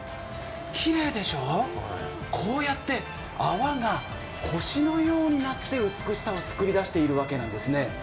きれいでしょ、こうやって泡が星のようになって美しさを作り出しているわけなんですね。